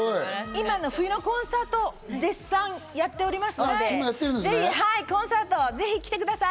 今の冬のコンサート、絶賛やっておりますので、コンサートに来てください。